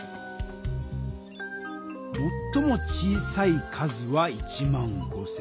もっとも小さい数は１５０００。